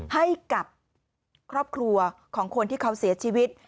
ให้กับครอบครัวของคนที่เขาเสียชีวิต